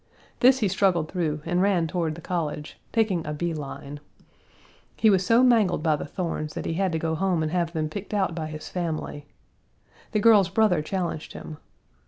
This he struggled through, and ran toward the college, taking a bee line. He was so mangled by the thorns that he had to go home and have them picked out by his family. The girl's brother challenged him.